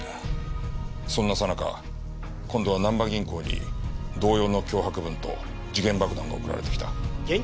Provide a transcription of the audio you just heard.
そんなさなか今度はなんば銀行に同様の脅迫文と時限爆弾が送られてきた。